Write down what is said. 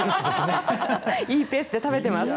いいペースで食べています。